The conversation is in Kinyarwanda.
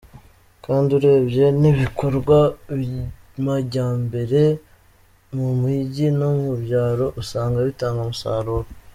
Kandi urebye n’ibikorwa by’amajyambere mu migi no mu byaro usanga bitanga umusaruro.